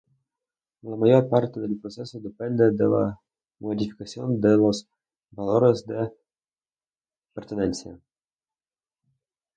La mayor parte del proceso depende de la modificación de los valores de pertenencia.